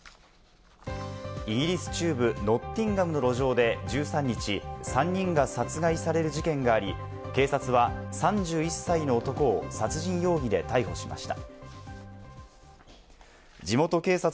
イギリス中部ノッティンガムの路上で１３日、３人が殺害される事件があり、警察は３１歳の男を殺人容疑で逮捕しました。